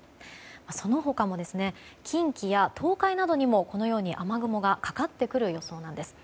その他も近畿や東海などにも雨雲がかかってくる予想です。